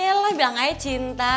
yalah bilang aja cinta